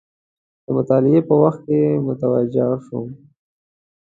د مطالعې په وخت کې متوجه شوم.